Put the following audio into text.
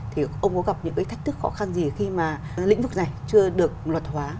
thì ông có gặp những cái thách thức khó khăn gì khi mà lĩnh vực này chưa được luật hóa